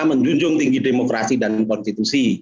menjunjung tinggi demokrasi dan konstitusi